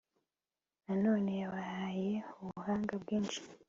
nanone yabahaye ubuhanga bwinshi